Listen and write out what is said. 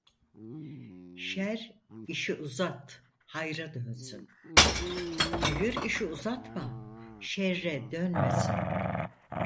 Şer işi uzat hayra dönsün, hayır işi uzatma şerre dönmesin.